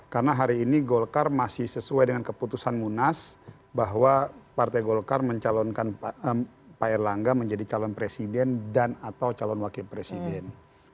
karena hari ini golkar masih sesuai dengan keputusan munas bahwa partai golkar mencalonkan pak erlangga menjadi calon presiden dan atau calon wakil presiden